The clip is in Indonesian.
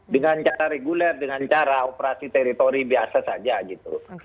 dengan cara reguler dengan cara operasi teritori biasa saja gitu